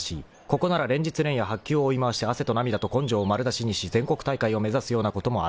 ［ここなら連日連夜白球を追い回して汗と涙と根性を丸出しにし全国大会を目指すようなこともあるまい］